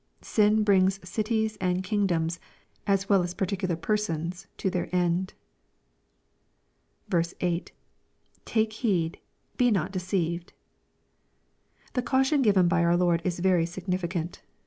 Sin brings cities and king^ doms, as well as particular persons, to their end." 3. — [IhJee heed...he not deceived.] The caution given be oir Lord is very significant.